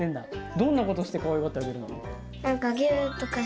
どんなことをしてかわいがってあげるの？